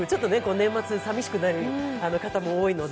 年末さみしくなる方もいるので。